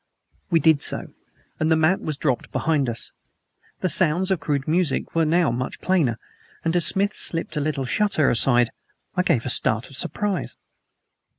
We did so, and the mat was dropped behind us. The sounds of crude music were now much plainer, and as Smith slipped a little shutter aside I gave a start of surprise.